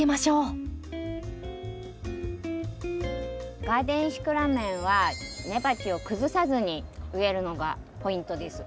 ではガーデンシクラメンは根鉢を崩さずに植えるのがポイントです。